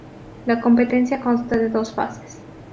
La competencia consta de dos fases.